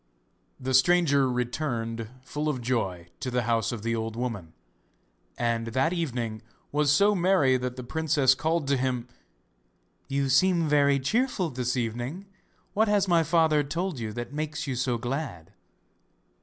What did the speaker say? The stranger returned, full of joy, to the house of the old woman, and that evening was so merry that the princess called to him; 'You seem very cheerful this evening; what has my father told you that makes you so glad?